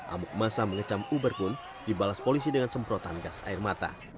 amuk masa mengecam uber pun dibalas polisi dengan semprotan gas air mata